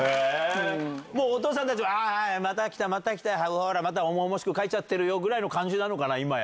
もう、お父さんたちは、あー、はい、はい、また来た、はい、また重々しく書いちゃってるよぐらいの感じなのかな、今や。